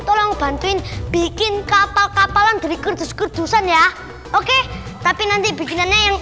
tolong bantuin bikin kapal kapalan dari kerdus kerdusan ya oke tapi nanti bikinannya